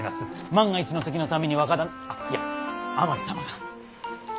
万が一のときのために若旦那あっいや甘利様が。